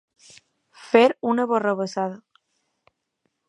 Fer una barrabassada.